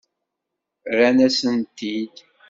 Rran-asen-t-id.